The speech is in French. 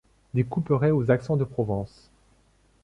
Des couperets aux accents de Provence.